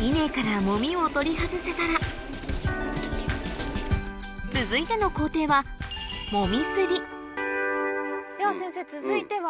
稲から籾を取り外せたら続いてのでは先生続いては？